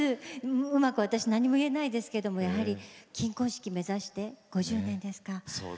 うまく、私何も言えないですけどやはり金婚式目指して５０年ですか。